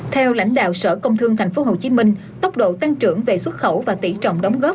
theo lãnh đạo sở công thương tp hcm tốc độ tăng trưởng về xuất khẩu và tỷ trọng đóng góp